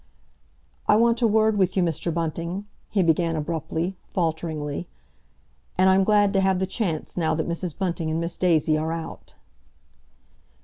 "I want a word with you, Mr. Bunting," he began abruptly, falteringly. "And I'm glad to have the chance now that Mrs. Bunting and Miss Daisy are out."